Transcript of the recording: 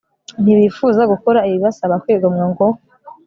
Ntibifuza gukora ibibasaba kwigomwa ngo